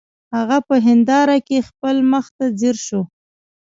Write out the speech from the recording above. هغه په هنداره کې خپل مخ ته ځیر شو